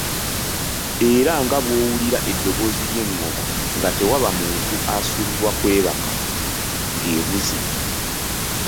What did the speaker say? Era nga bw'owulira eddoboozi ly'engoma, nga tewaba muntu asuubirwa kwebaka ng'evuze.